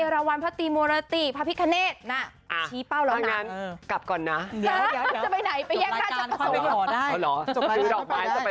จ้อมวันที่ลู้ใจที่ถูกนัดกลับรองนะกับอย่างใหม่ไปแรก